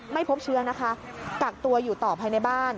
ไม่พบเชื้อนะคะกักตัวอยู่ต่อภายในบ้าน